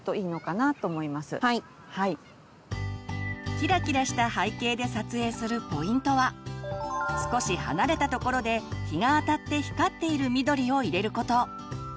キラキラした背景で撮影するポイントは少し離れたところで日があたって光っている緑を入れること。